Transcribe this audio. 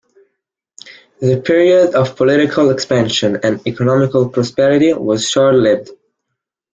The period of political expansion and economical prosperity was short-lived.